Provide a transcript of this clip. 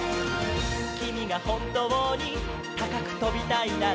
「きみがほんとうにたかくとびたいなら」